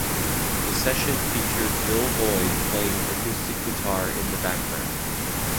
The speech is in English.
The session featured Bill Lloyd playing acoustic guitar in the background.